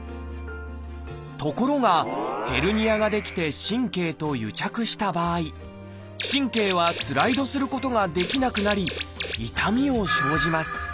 ところがヘルニアが出来て神経と癒着した場合神経はスライドすることができなくなり痛みを生じます。